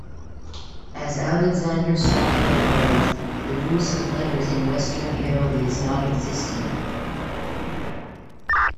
As Alexander Soloviev writes, the use of letters in western heraldry is nonexistent.